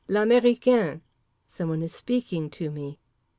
L'américain!_" Someone is speaking to me.